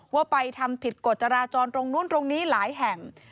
ว่าไปทำผิดกฎจราจรตรงนู้นตรงนี้หลายแห่ง